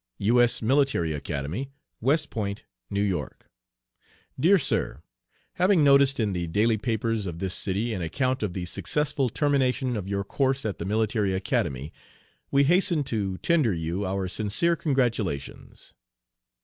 U. S. Military Academy, West Point, N. Y. DEAR SIR: Having noticed in the daily papers of this city an account of the successful termination of your course at the Military Academy, we hasten to tender you our sincere congratulations.